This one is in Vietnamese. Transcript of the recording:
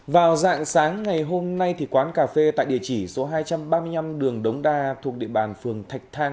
vào dạng sáng ngày hôm nay thì quán cà phê tại địa chỉ số hai trăm ba mươi năm đồng đa thuộc địa bàn phường thạch thang